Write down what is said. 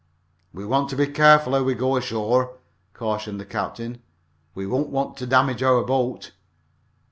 "We want to be careful how we go ashore," cautioned the captain. "We don't want to damage our boat."